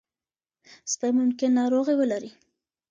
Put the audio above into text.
سپي ممکن ناروغي ولري.